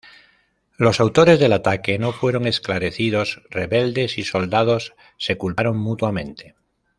Los autores del ataque no fueron esclarecidos; rebeldes y soldados se culparon mutuamente.